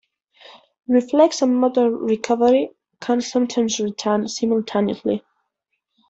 Reflex and motor recovery can sometimes return simultaneously.